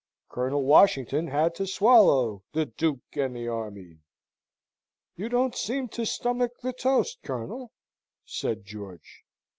Colonel Washington had to swallow "The Duke and the Army." "You don't seem to stomach the toast, Colonel," said George.